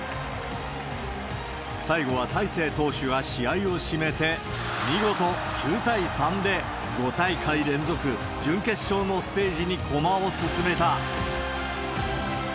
最後は大勢投手が試合を締めて、見事９対３で、５大会連続、準決勝のステージに駒を進めた。